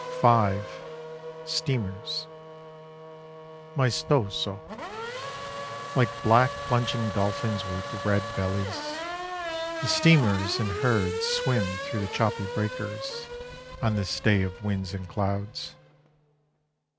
(5) STEAMERS Maestoso. Like black plunging dolphins with red bellies, The steamers in herds Swim through the choppy breakers On this day of winds and clouds.